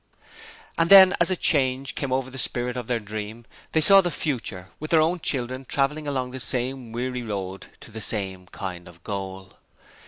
And then, as a change came over the spirit of their dream, they saw the Future, with their own children travelling along the same weary road to the same kind of goal.